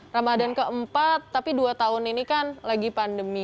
ramadan keempat tapi dua tahun ini kan lagi pandemi